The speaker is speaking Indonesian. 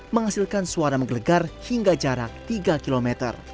menghasilkan suara menggelegar hingga jarak tiga km